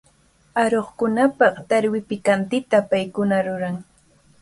Aruqkunapaq tarwi pikantita paykuna ruran.